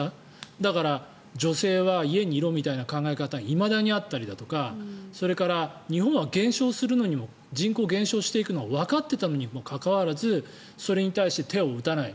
だから、女性は家にいろみたいな考え方がいまだにあったりだとかそれから日本は減少していくのはわかっていたのにもかかわらずそれに対して手を打たない。